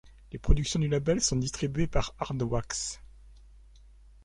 Les productions du label sont distribuées par Hard Wax.